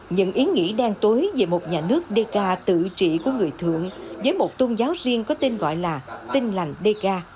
những ý nghĩ đen tối về một nhà nước đê ca tự trị của người thượng với một tôn giáo riêng có tên gọi là tinh lành đê ca